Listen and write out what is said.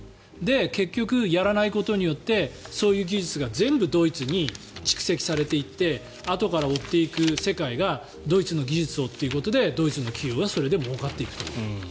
結局、やらないことによってそういう技術が全部ドイツに蓄積されていってあとから追っていく世界がドイツの技術をということでドイツの企業がそれでもうかっていくと。